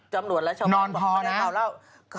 จำนวนแล้วชาวบ้านบอกว่าไม่ได้เมาเหล้า